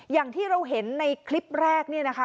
อย่างที่เราเห็นในคลิปแรกเนี่ยนะคะ